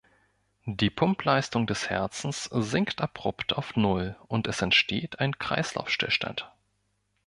Die Pumpleistung des Herzens sinkt abrupt auf Null und es entsteht ein Kreislaufstillstand.